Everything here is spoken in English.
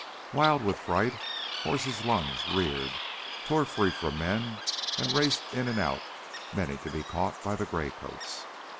Wild with fright, horses lunged, reared, tore free from men, and raced in and out, many to be caught by the gray coats.